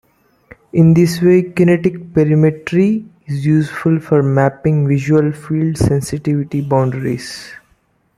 In this way, kinetic perimetry is useful for mapping visual field sensitivity boundaries.